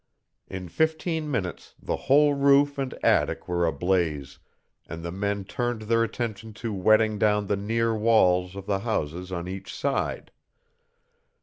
In fifteen minutes the whole roof and attic were ablaze, and the men turned their attention to wetting down the near walls of the houses on each side.